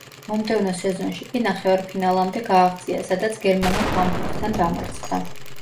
მომდევნო სეზონში კი ნახევარფინალამდე გააღწია, სადაც გერმანულ „ჰამბურგთან“ დამარცხდა.